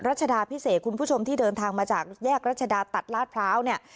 รัชดาพิเศษคุณผู้ชมที่เดินทางมาจากแยกรัชดาตัดลาดพร้าวเนี่ย